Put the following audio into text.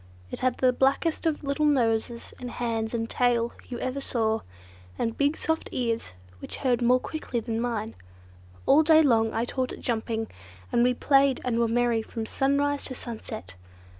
It had the blackest of little noses and hands and tail you ever saw, and big soft ears which heard more quickly than mine. All day long I taught it jumping, and we played and were merry from sunrise to sunset.